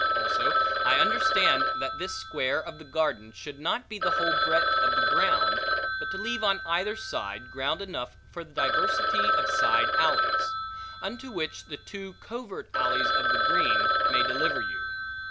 Also I understand, that this square of the garden, should not be the whole breadth of the ground, but to leave on either side, ground enough for diversity of side alleys; unto which the two covert alleys of the green, may deliver you.